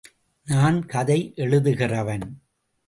... நான் கதை எழுதுகிறவன்.